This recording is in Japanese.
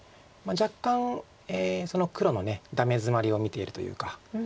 若干黒のダメヅマリを見ているというか。